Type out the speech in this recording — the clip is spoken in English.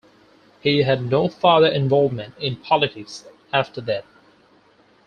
He had no further involvement in politics after that.